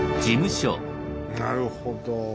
なるほど。